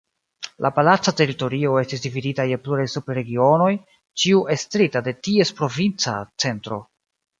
La palaca teritorio estis dividita je pluraj sub-regionoj, ĉiu estrita de ties provinca centro.